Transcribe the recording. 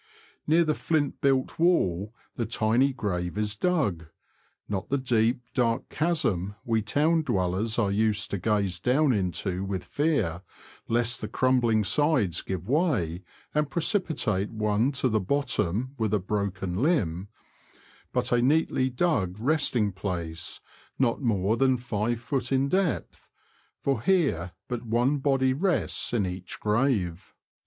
Near the fiint built wall the tiny grave is dug — not the deep, dark chasm we town dwellers are used to gaze down into with fear, lest the crumbling sides give way, and precipitate one to the bottom with a broken limb, but a neatly dug resting place, not more than 5ft. in depth, for here but one body rests in each grave.